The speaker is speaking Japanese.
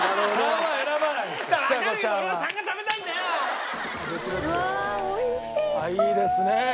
ああいいですねえ。